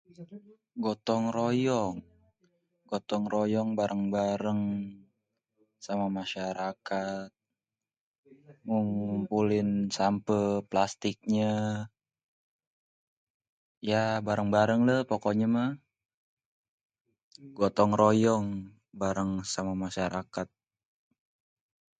Gotong royong. Gotong royong, bareng-bareng sama masyarakat. Ngumpulin sampeh plastiknye ya bareng-barengleh pokoknya. Gotong royong bareng sama masyarakat.